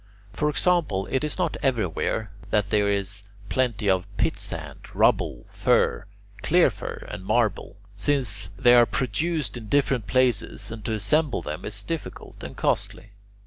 For example: it is not everywhere that there is plenty of pitsand, rubble, fir, clear fir, and marble, since they are produced in different places and to assemble them is difficult and costly.